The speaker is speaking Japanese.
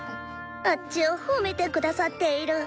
あッチを褒めて下さっている。